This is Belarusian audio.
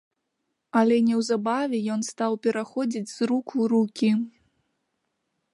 Але неўзабаве ён стаў пераходзіць з рук у рукі.